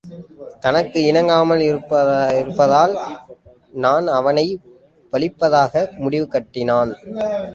தனக்கு இணங்காமல் இருப்பதால், நான் அவனைப் பழிப்பதாக முடிவு கட்டினான்.